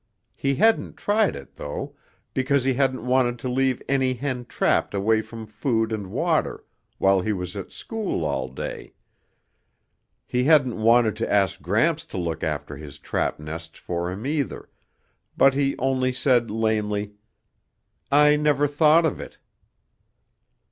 He hadn't tried it, though, because he hadn't wanted to leave any hen trapped away from food and water while he was at school all day. He hadn't wanted to ask Gramps to look after his trap nests for him either, but he only said lamely, "I never thought of it."